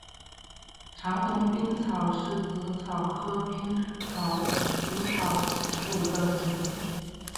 长筒滨紫草是紫草科滨紫草属的植物。